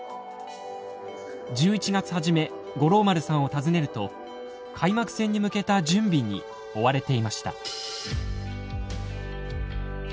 １１月初め五郎丸さんを訪ねると開幕戦に向けた準備に追われていました。